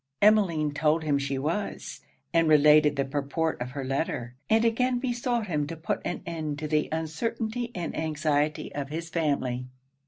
Emmeline told him she was, and related the purport of her letter, and again besought him to put an end to the uncertainty and anxiety of his family.